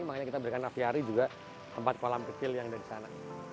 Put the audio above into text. makanya kita berikan aviari juga tempat kolam kecil yang ada di sana